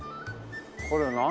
これ何？